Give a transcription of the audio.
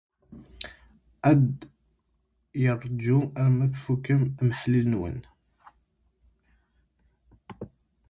Ad yeṛju arma tfukemt amahil-nwent.